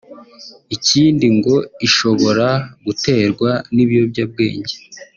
Ikindi ngo ishobora guterwa n’ibiyobyabwenge